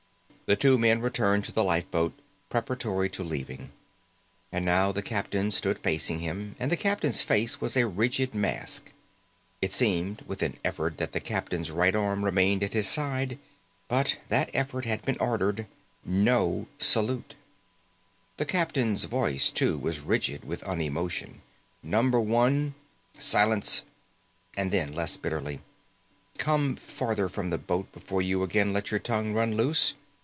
The two men returned to the lifeboat preparatory to leaving. And now the captain stood facing him, and the captain's face was a rigid mask. It seemed with an effort that the captain's right arm remained at his side, but that effort had been ordered. No salute. The captain's voice, too, was rigid with unemotion. "Number One ..." "Silence!" And then, less bitterly. "Come further from the boat before you again let your tongue run loose.